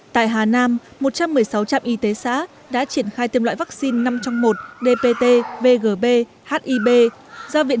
tại hà nam một trăm một mươi sáu trạm y tế xã đã triển khai tiêm loại vaccine năm trong một dpt vgb hib do viện